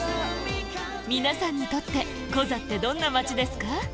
皆さんにとってコザってどんな街ですか？